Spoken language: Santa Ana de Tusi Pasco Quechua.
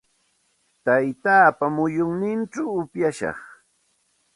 Taytaapa muyunninchaw upyashaq.